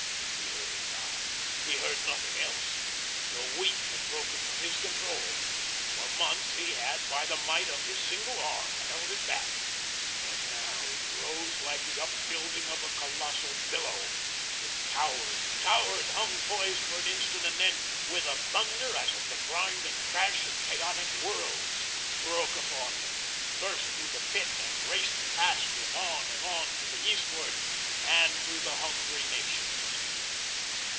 He heard it now, he heard nothing else. The Wheat had broken from his control. For months, he had, by the might of his single arm, held it back; but now it rose like the upbuilding of a colossal billow. It towered, towered, hung poised for an instant, and then, with a thunder as of the grind and crash of chaotic worlds, broke upon him, burst through the Pit and raced past him, on and on to the eastward and to the hungry nations.